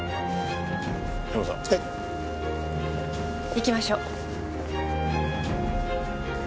行きましょう。